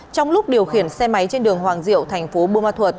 trong lúc điều khiển xe máy trên đường hoàng diệu thành phố bùa ma thuật